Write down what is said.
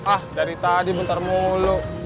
ah dari tadi bentar mulu